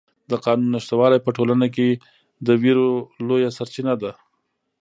د قانون نشتوالی په ټولنه کې د وېرو لویه سرچینه ده.